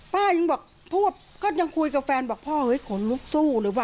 ป้ายังบอกพูดก็ยังคุยกับแฟนบอกพ่อเฮ้ยขนลุกสู้เลยว่